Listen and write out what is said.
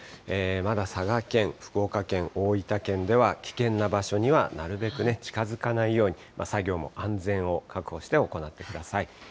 まだ佐賀県、福岡県、大分県では、危険な場所にはなるべく近づかないように、作業も安全を確保して行ってください。